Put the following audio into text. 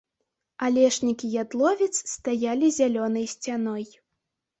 Алешнік і ядловец стаялі зялёнай сцяной.